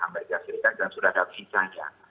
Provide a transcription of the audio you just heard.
pemerintah serikat sudah dapat isinya